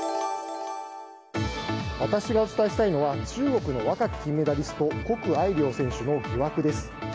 私がお伝えしたいのは中国の若き金メダリストコク・アイリョウ選手の疑惑です。